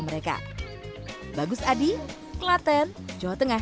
mereka bagus adi klaten jawa tengah